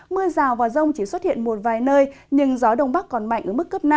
mưa rào và rông chỉ xuất hiện một vài nơi nhưng gió đông bắc còn mạnh ở mức cấp năm